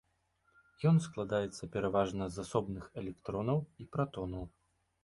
Ён складаецца пераважна з асобных электронаў і пратонаў.